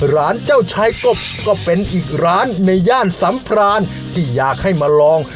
ร้านเจ้าชายกบก็เป็นอีกร้านในย่านสำพรานที่อยากให้มาลอง